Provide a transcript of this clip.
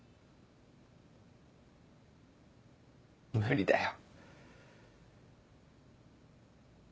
無理だよ。